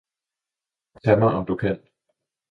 Tag mig, om du kan!